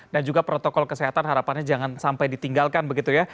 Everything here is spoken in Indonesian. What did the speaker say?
dan juga protokol kesehatan harapannya jangan sampai ditinggalkan begitu ya